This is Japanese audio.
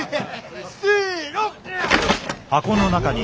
せの！